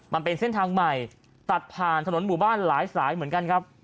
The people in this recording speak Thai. มันเป็นเส้นทางใหม่ตัดผ่านถนนหมู่บ้านหลายสายเหมือนกันครับ